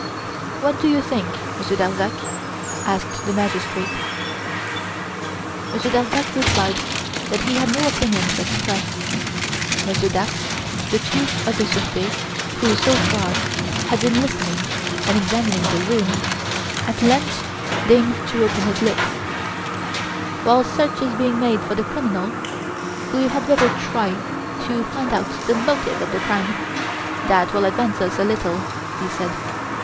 "What do you think, Monsieur Darzac?" asked the magistrate. Monsieur Darzac replied that he had no opinion to express. Monsieur Dax, the Chief of the Surete who, so far, had been listening and examining the room, at length deigned to open his lips: "While search is being made for the criminal, we had better try to find out the motive for the crime; that will advance us a little," he said.